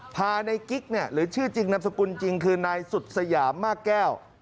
พาในกิ๊กเนี่ยหรือชื่อจริงนามสกุลจริงคือนายสุดสยามมากแก้ว